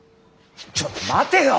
ちょっと待てよ！